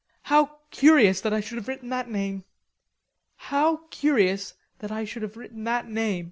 "How curious that I should have written that name. How curious that I should have written that name!"